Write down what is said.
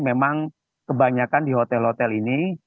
memang kebanyakan di hotel hotel ini